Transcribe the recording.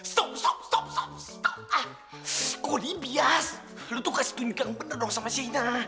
stop stop stop stop stop ah kody bias lo tuh kasih tunjuk yang bener dong sama shaina